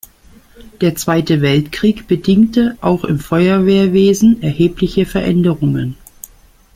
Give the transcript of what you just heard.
Der Zweite Weltkrieg bedingte auch im Feuerwehrwesen erhebliche Veränderungen.